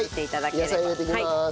野菜入れていきます。